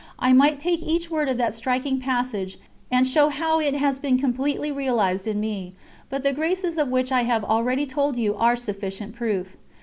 I might take each word of that striking passage and show how it has been completely realised in me, but the graces of which I have already told you are sufficient proof.